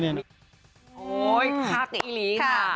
โอ้ยคักอีกนิดนึงค่ะ